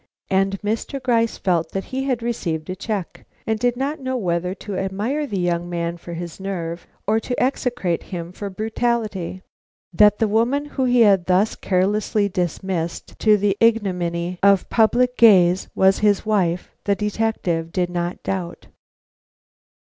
And Mr. Gryce felt that he had received a check, and did not know whether to admire the young man for his nerve or to execrate him for his brutality. That the woman whom he had thus carelessly dismissed to the ignominy of the public gaze was his wife, the detective did not doubt.